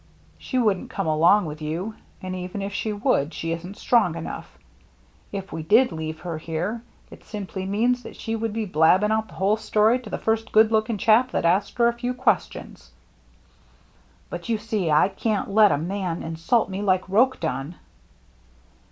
She wouldn't come along with you ; and even if she would, she isn't strong enough. If we did leave her here, it simply means that she would be blab bing out the whole story to the first good looking chap that asked her a few questions." " But don't you see ? I can't let a man insult me like Roche done."